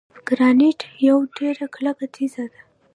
ګرانیټ یوه ډیره کلکه تیږه ده.